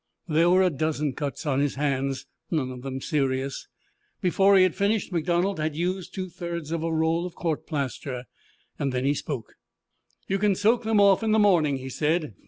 There were a dozen cuts on his hands, none of them serious. Before he had finished MacDonald had used two thirds of a roll of court plaster. Then he spoke. "You can soak them off in the morning," he said.